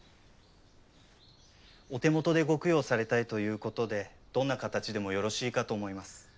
お手元でご供養されたいということでどんな形でもよろしいかと思います。